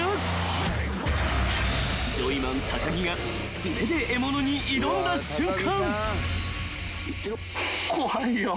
［ジョイマン高木が素手で獲物に挑んだ瞬間］